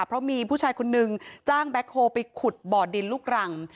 เพราะมีผู้ชายคนนึงจ้างแบ็คโฮลไปขุดบ่อดินลูกรัง